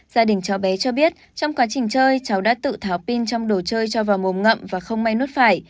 gia đình cháu bé cho biết trong quá trình chơi cháu đã tự tháo pin trong đồ chơi cho vào màu ngậm và không may nuốt phải